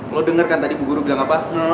lo denger kan tadi bu guru bilang apa